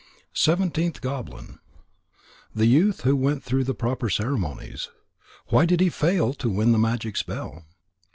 SEVENTEENTH GOBLIN _The Youth who went through the Proper Ceremonies. Why did he fail to win the magic spell?